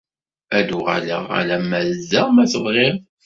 Ad d-uɣaleɣ alamma d da ma tebɣiḍ.